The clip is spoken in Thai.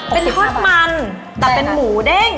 เป็นทอดมันแต่เป็นหมูเด้ง